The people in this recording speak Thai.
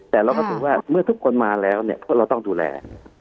แต่เราก็ถือว่าเมื่อทุกคนมาแล้วเนี่ยพวกเราต้องดูแล